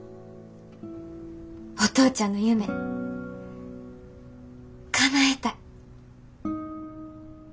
お父ちゃんの夢かなえたい。